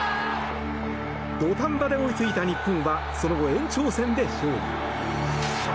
土壇場で追いついた日本はその後、延長戦で勝利。